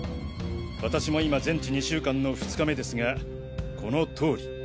私も今全治２週間の２日目ですがこの通り。